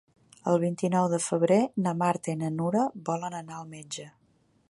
El vint-i-nou de febrer na Marta i na Nura volen anar al metge.